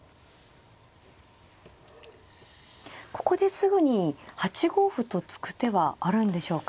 ここですぐに８五歩と突く手はあるんでしょうか。